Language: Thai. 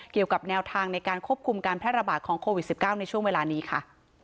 เกี่ยวกับแนวทางในการควบคุมการแพร่ระบาดของโควิด๑๙ในช่วงเวลานี้ค่ะ